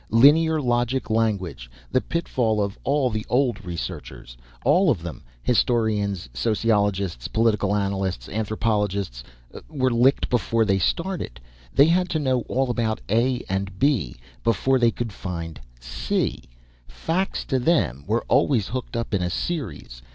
Linear Logic Language, the pitfall of all the old researchers. All of them, historians, sociologists, political analysts, anthropologists, were licked before they started. They had to know all about A and B before they could find C. Facts to them were always hooked up in a series.